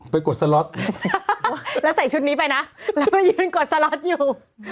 กดสล็อตแล้วใส่ชุดนี้ไปนะแล้วไปยืนกดสล็อตอยู่